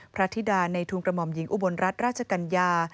พระธิดาในทุนกระหม่อมหญิงอุบลรัฐราชกัญญา